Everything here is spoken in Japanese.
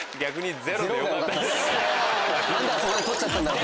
何であそこで取っちゃったんだろう。